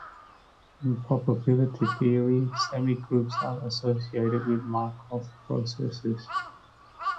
In probability theory, semigroups are associated with Markov processes.